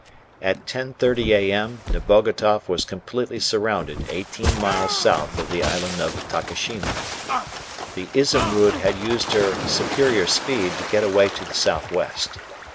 At 10.30 a.m. Nebogatoff was completely surrounded eighteen miles south of the island of Takeshima. The "Izumrud" had used her superior speed to get away to the south west.